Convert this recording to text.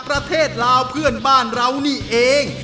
ประเทศลาวเพื่อนบ้านเรานี่เอง